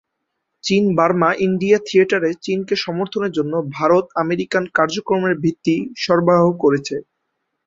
চীন Burma India থিয়েটারে চীনকে সমর্থনের জন্য ভারত আমেরিকান কার্যক্রমের ভিত্তি সরবরাহ করেছে।